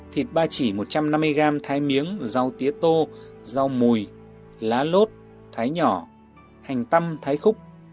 thịt ba chỉ một trăm năm mươi gram thái miếng rau tứa tô rau mùi lá lốt thái nhỏ hành tăm thái khúc